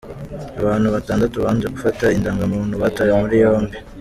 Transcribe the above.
Abantu Batandatu banze gufata Indangamuntu batawe muri yombi